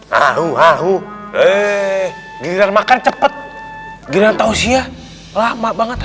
hahu hahu eh giliran makan cepet giliran tausia lama banget ayo